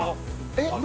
えっ？